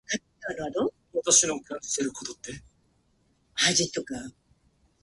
コップの水がこぼれた。